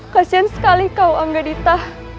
kasian sekali kau angga dita